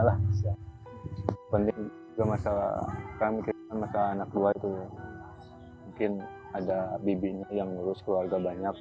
lah penting kemasalahan kita masalah anak luar itu mungkin ada bibinya yang urus keluarga banyak